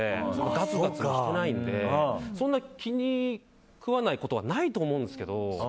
がつがつもしていないのでそんな、気に食わないことはないと思うんですけど。